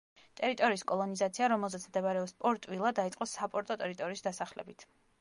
ტერიტორიის კოლონიზაცია, რომელზეც მდებარეობს პორტ-ვილა, დაიწყო საპორტო ტერიტორიის დასახლებით.